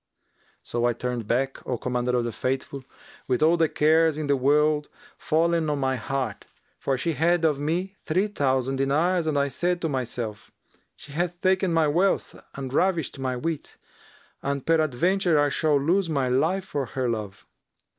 So I turned back, O Commander of the Faithful, with all the cares in the world fallen on my heart, for she had of me three thousand dinars, and I said to myself, 'She hath taken my wealth and ravished my wit, and peradventure I shall lose my life for her love.'